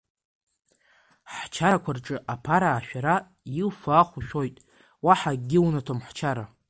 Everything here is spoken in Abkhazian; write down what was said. Ҳчарақәа рҿы, аԥара ашәара, иуфо ахә ушәоит, уаҳа акгьы унаҭом ҳчара.